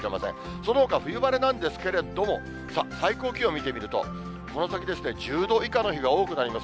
そのほか、冬晴れなんですけれども、最高気温見てみると、この先ですね、１０度以下の日が多くなります。